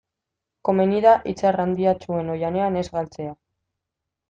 Komeni da hitz arrandiatsuen oihanean ez galtzea.